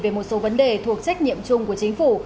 về một số vấn đề thuộc trách nhiệm chung của chính phủ